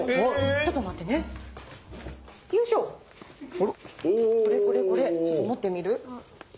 ちょっと持ってみる？